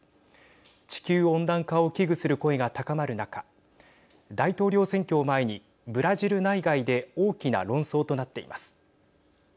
地球温暖化を危惧する声が高まる中大統領選挙を前にブラジル内外で大きな論争となっています。